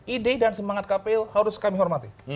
ide dan semangat kpu harus kami hormati